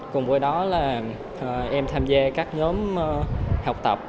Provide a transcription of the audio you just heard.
cùng với đó là em tham gia các nhóm học tập